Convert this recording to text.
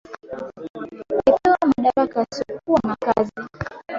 epewa madaraka yasiokua na kazi